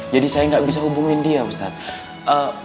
jadi saya gak bisa hubungin dia ustadzah